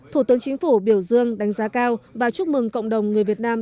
thủ tướng chính phủ biểu dương đánh giá cao và chúc mừng cộng đồng người việt nam